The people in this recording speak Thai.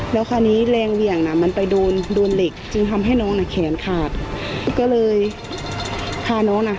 แล้วคราวนี้แรงเหวี่ยงน่ะมันไปโดนโดนเหล็กจึงทำให้น้องน่ะแขนขาดก็เลยพาน้องอ่ะ